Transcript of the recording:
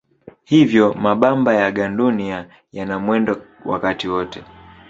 Hivyo mabamba ya gandunia yana mwendo wakati wote.